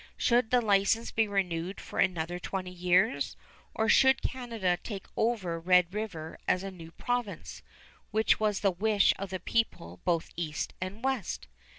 Should the license be renewed for another twenty years, or should Canada take over Red River as a new province, which was the wish of the people both east and west?